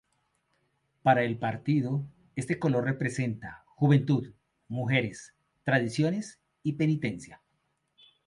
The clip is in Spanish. Para el partido, este color representa "juventud, mujeres, tradiciones y penitencia.